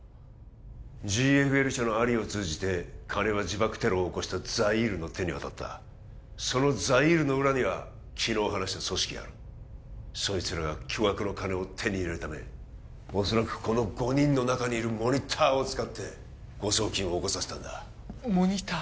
ＧＦＬ社のアリを通じて金は自爆テロを起こしたザイールの手に渡ったそのザイールの裏には昨日話した組織があるそいつらが巨額の金を手に入れるため恐らくこの５人の中にいるモニターを使って誤送金を起こさせたんだモニター？